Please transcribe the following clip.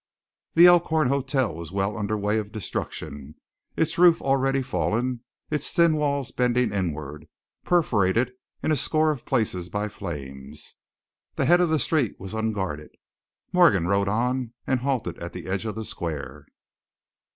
The Elkhorn hotel was well under way of destruction, its roof already fallen, its thin walls bending inward, perforated in a score of places by flames. The head of the street was unguarded; Morgan rode on and halted at the edge of the square.